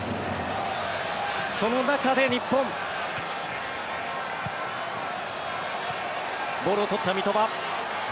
その中で日本ボールを取った三笘。